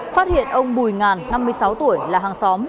phát hiện ông bùi ngàn năm mươi sáu tuổi là hàng xóm